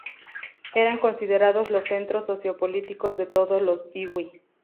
Eran considerados los centros sociopolíticos de todos los iwi.